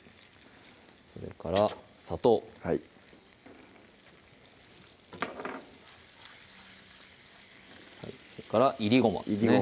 それから砂糖はいそれからいりごまですね